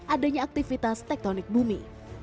adanya aktivitas tektonik bumi